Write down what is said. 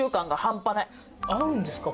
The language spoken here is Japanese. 合うんですか？